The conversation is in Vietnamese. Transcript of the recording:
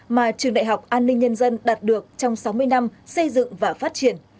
mà trường đại học an ninh nhân dân đạt được trong sáu mươi năm xây dựng và phát triển